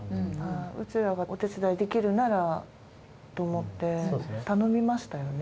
うちらがお手伝いできるならと思って、頼みましたよね。